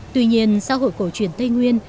tuy nhiên xã hội cổ truyền tây nguyên